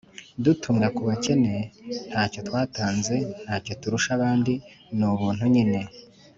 dutumwe ku bakene. ntacyo twatanze, ntacyo turusha abandi ; ni ubuntu nyine